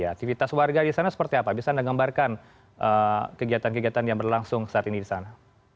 aktivitas warga di sana seperti apa bisa anda gambarkan kegiatan kegiatan yang berlangsung saat ini di sana